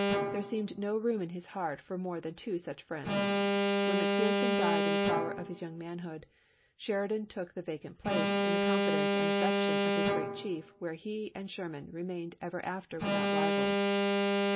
There seemed no room in his heart for more than two such friends. When McPherson died in the flower of his young manhood, Sheridan took the vacant place in the confidence and affec tion of his great chief where he and Sherman remained ever after without rivals.